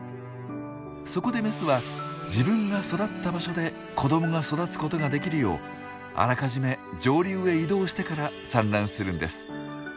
そこでメスは自分が育った場所で子どもが育つことができるようあらかじめ上流へ移動してから産卵するんです。